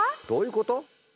どういうこと？